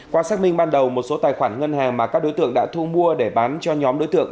qua xác minh ban đầu một số tài khoản ngân hàng mà các đối tượng đã thu mua để bán cho nhóm đối tượng